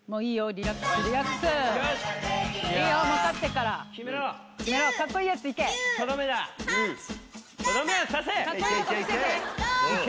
リラックスリラックスいいよもう勝ってるから決めろ決めろかっこいいやつでいけとどめだとどめをさせかっこいいとこ見せていけ！